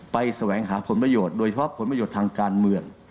แสวงหาผลประโยชน์โดยเฉพาะผลประโยชน์ทางการเมือง